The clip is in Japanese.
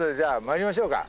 参りましょうか。